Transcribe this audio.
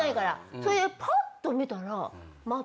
それでパッと見たら。